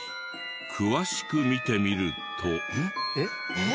詳しく見てみると。